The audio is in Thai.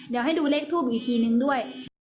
เดี๋ยวให้ดูเลขทูปอีกทีนึงด้วย